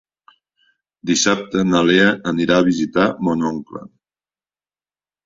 Dissabte na Lea anirà a visitar mon oncle.